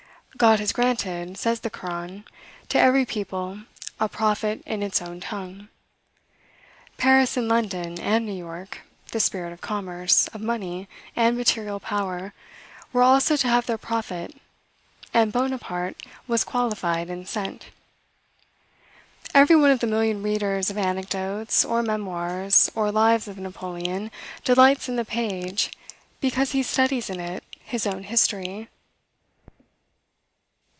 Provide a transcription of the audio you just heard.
"God has granted" says the Koran, "to every people a prophet in its own tongue." Paris, and London, and New York, the spirit of commerce, of money, and material power, were also to have their prophet; and Bonaparte was qualified and sent. Every one of the million readers of anecdotes, or memoirs, or lives of Napoleon, delights in the page, because he studies in it his own history.